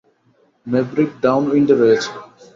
Maverick ডাউনউইন্ডে রয়েছে।